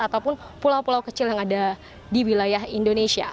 ataupun pulau pulau kecil yang ada di wilayah indonesia